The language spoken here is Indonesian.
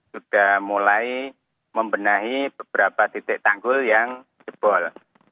sudah mulai membenahi beberapa titik tanggul yang jebol